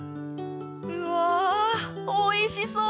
うわあおいしそう！